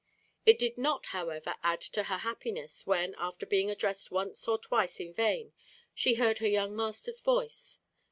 It did not, however, add to her happiness, when, after being addressed once or twice in vain, she heard her young master's voice.